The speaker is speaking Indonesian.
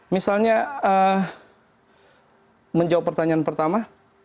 misalnya menjawab pertanyaan pertama